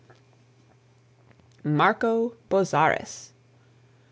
MARCO BOZZARIS.